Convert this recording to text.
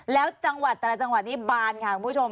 แล้วจังหวัดแต่ละจังหวัดนี้บานค่ะคุณผู้ชม